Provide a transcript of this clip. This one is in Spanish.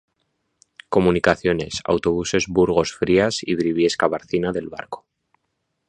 Comunicaciones: autobuses Burgos-Frías y Briviesca-Barcina del Barco.